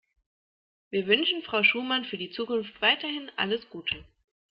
Wir wünschen Frau Schumann für die Zukunft weiterhin alles Gute.